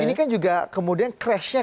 ini kan juga kemudian crash nya